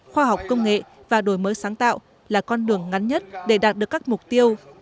khoa học công nghệ và đổi mới sáng tạo là con đường ngắn nhất để đạt được các mục tiêu